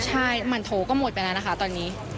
ใช่มันโทรก็หมดไปแล้วนะคะตอนนี้